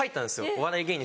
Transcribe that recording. お笑い芸人